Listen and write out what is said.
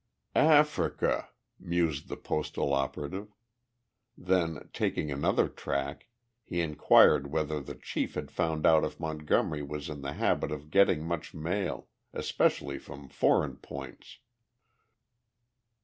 "Africa " mused the Postal operative. Then, taking another track, he inquired whether the chief had found out if Montgomery was in the habit of getting much mail, especially from foreign points.